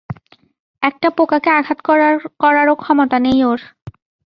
একটা পোকাকে আঘাত করারও ক্ষমতা নেই ওর।